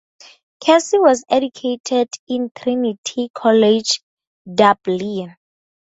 Casey was educated in Trinity College Dublin.